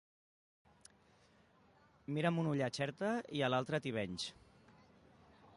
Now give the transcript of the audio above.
Mirar amb un ull a Xerta i l'altre a Tivenys.